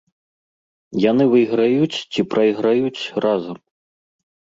Яны выйграюць ці прайграюць разам.